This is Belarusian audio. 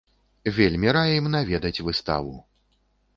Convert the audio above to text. Вельмі раім наведаць выставу.